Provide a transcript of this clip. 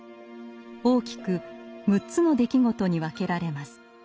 大きく６つの出来事に分けられます。